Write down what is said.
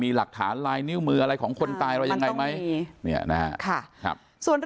มีหลักฐานลายนิ้วมืออะไรของคนตายอะไรยังไงไหมมันต้องมีเนี่ยนะฮะครับ